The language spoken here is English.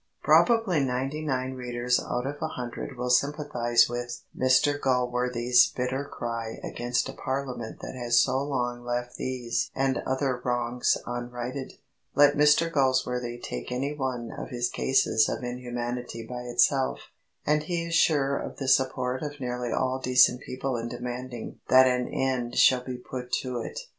Probably ninety nine readers out of a hundred will sympathise with Mr Galsworthy's bitter cry against a Parliament that has so long left these and other wrongs unrighted. Let Mr Galsworthy take any one of his cases of inhumanity by itself, and he is sure of the support of nearly all decent people in demanding that an end shall be put to it.